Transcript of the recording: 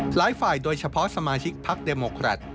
หลายฝ่ายโดยเฉพาะสมาชิกภัคดิโมครัฐ